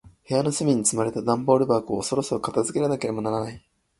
部屋の隅に積まれた段ボール箱を、そろそろ片付けなければならない。